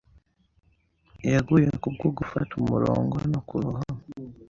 Yaguye kubwo gufata, umurongo, no kurohama.